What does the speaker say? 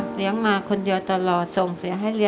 ทั้งในเรื่องของการทำงานเคยทำนานแล้วเกิดปัญหาน้อย